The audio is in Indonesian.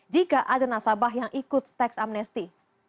jika ada nasabah yang ikut teks amnesti